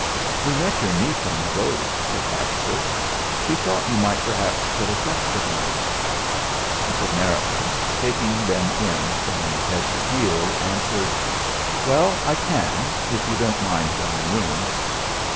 "We met your niece on the road," said Ashurst; "she thought you might perhaps put us up for the night." Mrs. Narracombe, taking them in from head to heel, answered: "Well, I can, if you don't mind one room.